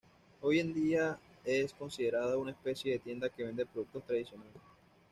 Hoy en día es considerada una especie de tienda que vende productos tradicionales.